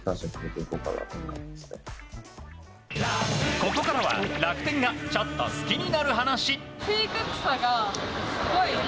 ここからは「＃楽天がちょっと好きになる話」。